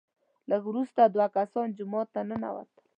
لږ وروسته دوه کسان جومات ته ننوتل،